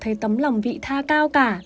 thấy tấm lòng vị tha cao cả